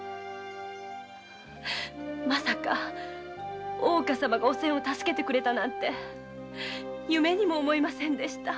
まさか大岡様がおせんを助けてくれたなんて夢にも思いませんでした。